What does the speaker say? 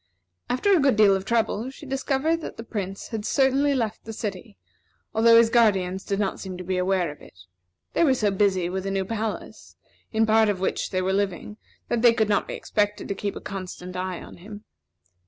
After a good deal of trouble, she discovered that the Prince had certainly left the city, although his guardians did not seem to be aware of it. They were so busy with a new palace, in part of which they were living, that they could not be expected to keep a constant eye upon him.